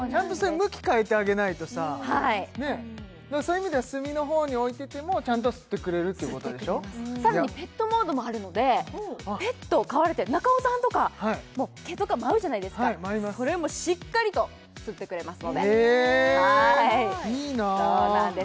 向き変えてあげないとさねっそういう意味では隅の方に置いててもちゃんと吸ってくれるっていうことでしょさらにペットモードもあるのでペットを飼われて中尾さんとか毛とか舞うじゃないですかそれもしっかりと吸ってくれますのでえいいなそうなんです